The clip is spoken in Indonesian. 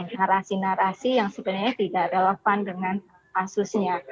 narasi narasi yang sebenarnya tidak relevan dengan kasusnya